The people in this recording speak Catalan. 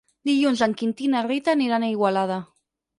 Dilluns en Quintí i na Rita aniran a Igualada.